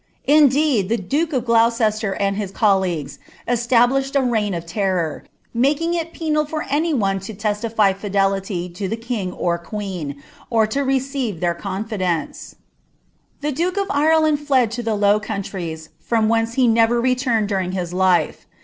Indeed, Ihe duke of Gloureeier and bin collMguei cstablishitd n reii^ of terror, making it penal For any pereon (o tealiiy fidelity III (he kiiiff or queen, or to receive their confidence, The duke ol' Ireland lied to ilic Low Countries, from whence he never rrtunied during his life.